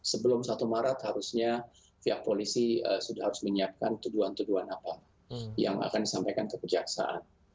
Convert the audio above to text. sebelum satu maret harusnya pihak polisi sudah harus menyiapkan tuduhan tuduhan apa yang akan disampaikan ke kejaksaan